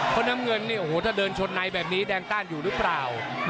คนไหนแบบนี้แดงต้านอยู่หรือเปล่า